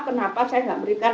kenapa saya gak berikan